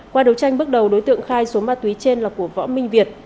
qua đấu tranh bước đầu đối tượng khai số ma túy trên là của võ minh việt